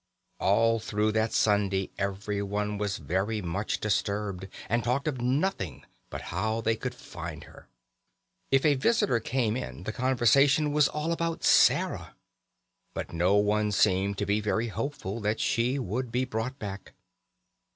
All through that Sunday everyone was very much disturbed, and talked of nothing but how they could find her. If a visitor came in, the conversation was all about Sarah; but no one seemed to be very hopeful that she would be brought back.